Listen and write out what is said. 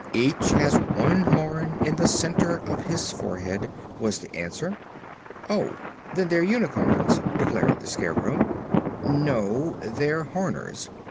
"Each has one horn in the center of his forehead," was the answer. "Oh, then they're unicorns," declared the Scarecrow. "No; they're Horners.